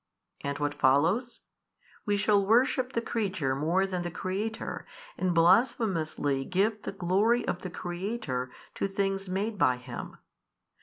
And what follows? we shall worship the creature more than the Creator, and blasphemously give the glory of the Creator to things made by Him.